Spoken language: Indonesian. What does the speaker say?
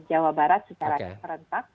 jawa barat secara rentak